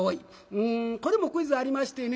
うんこれもクイズありましてね